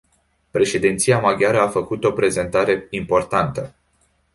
Președinția maghiară a făcut o prezentare importantă.